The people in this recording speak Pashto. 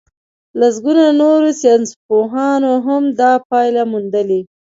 لسګونو نورو ساينسپوهانو هم دا پايله موندلې.